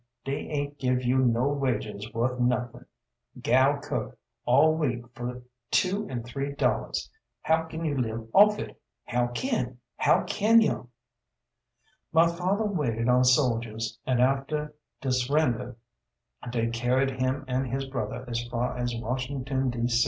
dey aint give you no wages worth nuthin'. Gal cook all week fer two an' three dollars. How can you live off it, how kin, how kin yo'? My father waited on soldiers and after de s'render dey carried him an' his brother as fer as Washington D.